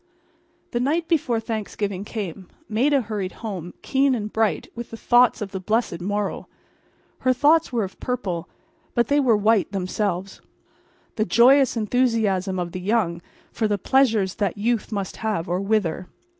The night before Thanksgiving came. Maida hurried home, keen and bright with the thoughts of the blessed morrow. Her thoughts were of purple, but they were white themselves—the joyous enthusiasm of the young for the pleasures that youth must have or wither.